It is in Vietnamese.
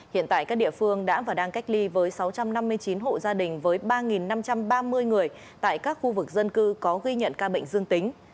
hiện tại các địa phương đã và đang cách ly với sáu trăm năm mươi chín hộ gia đình với ba năm trăm ba mươi người tại các khu vực dân cư có ghi nhận ca bệnh dương tính